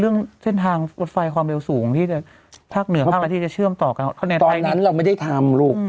เรื่องเส้นทางรถไฟความเร็วสูงที่ภาคเหนือภาคประเทศจะเชื่อมต่อกันตอนนั้นเราไม่ได้ทำลูก